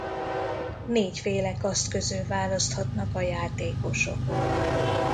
Négyféle kaszt közül választhatnak a játékosok.